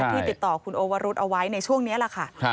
ที่ติดต่อคุณโอวรุธเอาไว้ในช่วงนี้แหละค่ะ